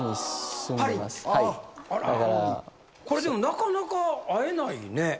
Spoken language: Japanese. でもなかなか会えないね。